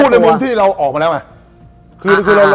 ในมุมที่เราออกมาแล้วไง